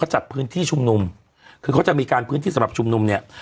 จัดพื้นที่ชุมนุมคือเขาจะมีการพื้นที่สำหรับชุมนุมเนี่ย